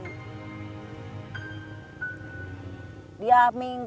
dia mengingat tidak beritahu saya